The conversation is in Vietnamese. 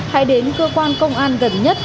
hãy đến cơ quan công an gần nhất